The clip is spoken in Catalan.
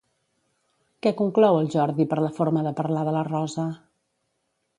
Què conclou el Jordi per la forma de parlar de la Rosa?